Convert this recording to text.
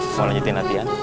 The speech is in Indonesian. mau lanjutin latihan